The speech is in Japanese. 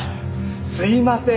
すいません。